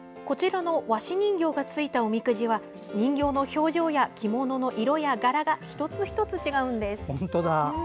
こちらの和紙人形がついたおみくじは人形の表情や着物の色や柄が一つ一つ違うんです。